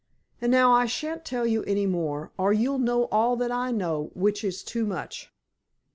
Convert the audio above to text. And now I shan't tell you any more, or you'll know all that I know, which is too much."